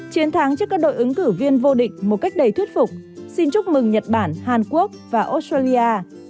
chiến thắng trước các đội ứng cử viên vô địch một cách đầy thuyết phục xin chúc mừng nhật bản hàn quốc và australia